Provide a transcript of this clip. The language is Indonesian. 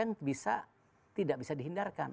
yang bisa tidak bisa dihindarkan